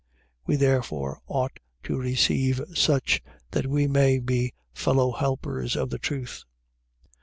We therefore ought to receive such: that we may be fellow helpers of the truth.